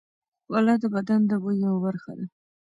خوله د بدن د بوی یوه برخه ده.